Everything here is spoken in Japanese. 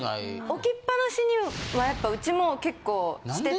置きっぱなしにはやっぱうちも結構してて。